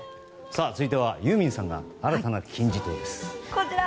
続いてはユーミンさんが新たな金字塔です。